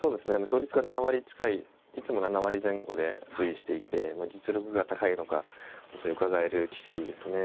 勝率が７割近いいつも７割前後で推移していて実力が高いのが本当にうかがえる棋士ですね。